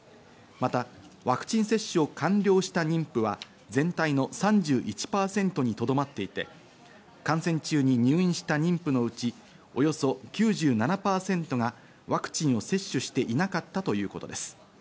またワクチン接種を完了した妊婦は全体の３１％にとどまっていて、感染中に入院した妊婦のうち、およそ９７％がワクチンを接種していなかったということです。